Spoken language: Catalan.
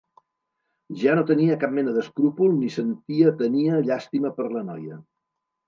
Ja no tenia cap mena d'escrúpol ni sentia tenia llàstima per la noia.